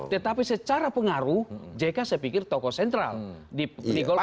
tetapi secara pengaruh jk saya pikir tokoh sentral di golkar